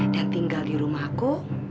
dan tinggal di rumah aku